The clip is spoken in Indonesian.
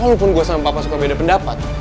walaupun gue sama papa suka beda pendapat